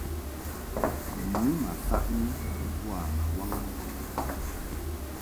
Nu ma faʼni boa ma waŋni ŋkɔd.